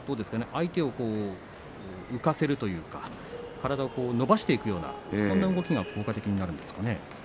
相手を浮かせるというか体を伸ばしていくようなそんな動きが効果的になるんですかね。